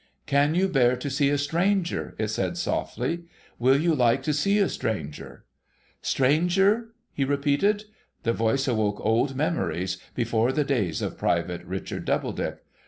' Can you bear to see a stranger ?' it said softly. ' AVill you like to see a stranger ?'' Stranger !' he repeated. The voice awoke old memories, before the days of Private Richard Doubledick.